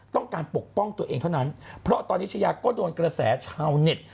ปกป้องตัวเองเท่านั้นเพราะตอนนี้ชายาก็โดนกระแสชาวเน็ต